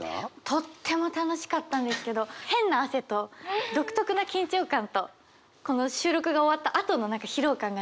とっても楽しかったんですけど変な汗と独特な緊張感とこの収録が終わったあとの疲労感がね